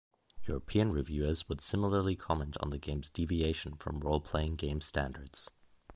European reviewers would similarly comment on the game's deviation from role-playing game standards.